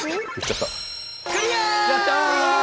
やった！